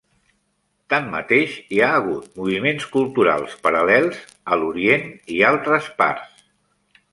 Tanmateix, hi ha hagut moviments culturals paral·lels a l'Orient i altres parts.